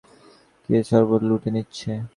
কে সর্বস্ব লুটে নিচ্ছে?